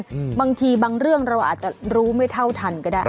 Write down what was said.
บางทีบางเรื่องเราอาจจะรู้ไม่เท่าทันก็ได้